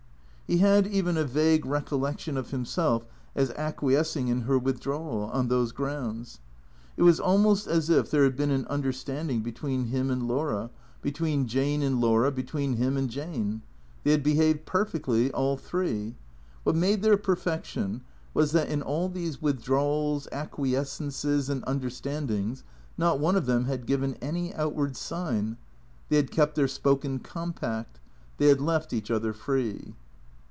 He had even a vague recollection of himself as acquiescing in her withdrawal, on those grounds. It was almost as if there had been an understanding between him and Laura, between THECREATOES 61 Jane and Laura, between him and Jane. They had behaved perfectly, all three. Wliat made their perfection was that in all these withdrawals, acquiescences and understandings not one of them had given any outward sign. They had kept their spoken compact. They had left each other free.